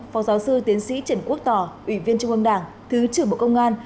phó giáo sư tiến sĩ trần quốc tỏ ủy viên trung ương đảng thứ trưởng bộ công an